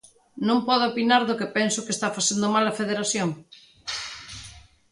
Non podo opinar do que penso que está facendo mal a Federación?